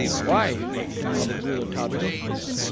"Why?" demanded Rouletabille.